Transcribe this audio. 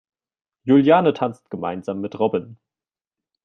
Juliane tanzt gemeinsam mit Robin.